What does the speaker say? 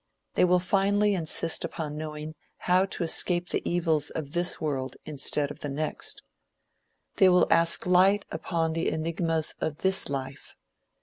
They will finally insist upon knowing how to escape the evils of this world instead of the next. They will ask light upon the enigmas of this life.